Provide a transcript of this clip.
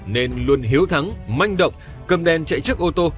nên luôn hiếu thắng manh động cầm đèn chạy chiếc ô tô